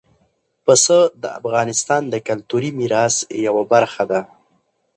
پسه د افغانستان د کلتوري میراث یوه برخه ده.